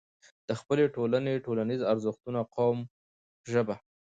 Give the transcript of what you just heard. د خپلې ټولنې، ټولنيز ارزښتونه، قوم، ژبه